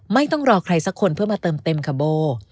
ไม่ต้องรอใครสักคนเพื่อมาเติมเต็มค่ะโบ